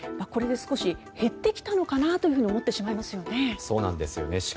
これで少し減ってきたのかなと思ってしまいますよね。